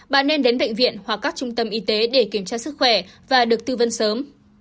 bà nên đến bệnh viện hoặc các trung tâm y tế để kiểm tra sức khỏe và được tư vấn sớm